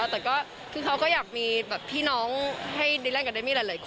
แต่ก็คือเขาก็อยากมีแบบพี่น้องให้ได้เล่นกับเมมี่หลายคน